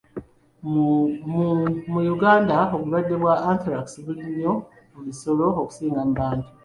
Mu Uganda obulwadde bwa Anthrax buli nnyo mu bisolo okusinga mu bantu.